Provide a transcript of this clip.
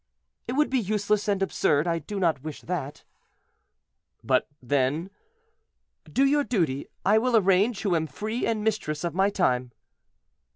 "It would be useless and absurd; I do not wish it." "But then—" "Do your duty; I will arrange, who am free and mistress of my time."